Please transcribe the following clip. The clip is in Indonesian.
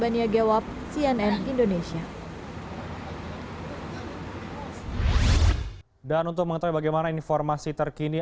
dan untuk mengetahui bagaimana informasi terkini